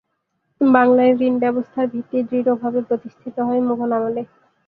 বাংলায় ঋণ ব্যবস্থার ভিত্তি দৃঢ়ভাবে প্রতিষ্ঠিত হয় মুগল আমলে।